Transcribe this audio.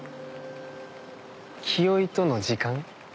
清居との時間？